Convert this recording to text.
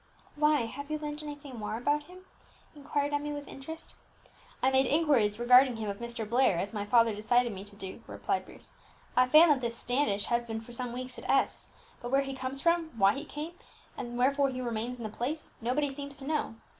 "Why, have you learned anything more about him?" inquired Emmie with interest. "I made inquiries regarding him of Mr. Blair, as my father desired me to do," replied Bruce. "I find that this Standish has been for some weeks at S ; but where he comes from, why he came, and wherefore he remains in the place, nobody seems to know.